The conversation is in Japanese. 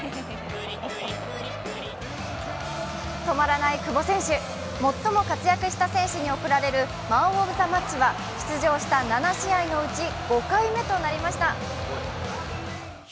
止まらない久保選手、最も活躍した選手に贈られるマン・オブ・ザ・マッチは出場した７試合のうち５回目となりました。